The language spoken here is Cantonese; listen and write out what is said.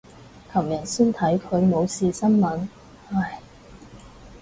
琴日先看他冇事新聞，唉。